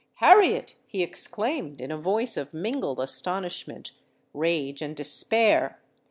—'Harriet!' he exclaimed, in a voice of mingled astonishment, rage, and despair.